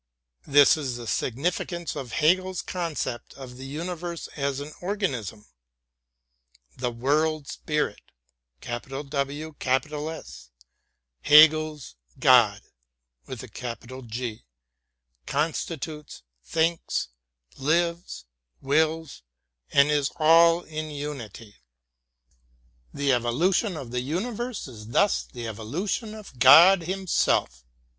This is the significance of Hegel's conception of the uni verse as an organism. The World Spirit — Hegel's God — constitutes, thinks, lives, wills, and is all in unity. The evolution of the universe is thus the evolution of God him self.